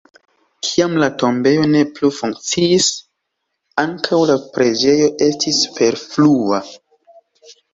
Kiam la tombejo ne plu funkciis, ankaŭ la preĝejo estis superflua.